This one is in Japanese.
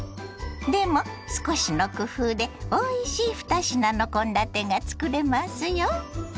でも少しの工夫でおいしい２品の献立がつくれますよ。